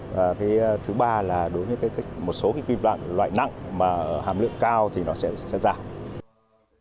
và thứ ba là đối với một số cái quy vạn loại nặng mà hàm lượng cao thì nó sẽ giảm